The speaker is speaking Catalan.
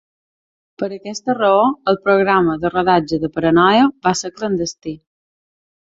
Per aquesta raó, el programa de rodatge de "Paranoia" va ser clandestí.